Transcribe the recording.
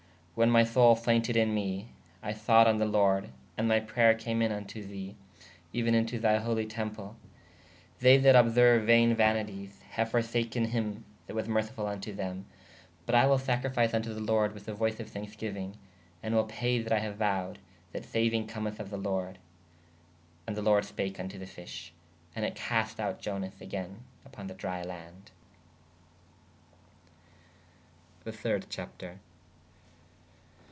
When my soule faynted in me/ I thought on the lorde: & my prayer came in vn to the/ even in to thy holy temple. They [that] obserue vayne vanities/ haue forsakē him that was mercifull vn to them. But I wil sacrifice vn to the with the voce of thankesgeuinge/ & will paye that I have vowed/ that sauinge cometh of the lorde. ¶ And the lorde spake vn to the fish: and it cast out Ionas agayne vppon [the] drie lande. ¶ The .iij. Chapter.